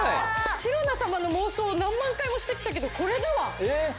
シロナ様の妄想何万回もしてきたけどこれだわ！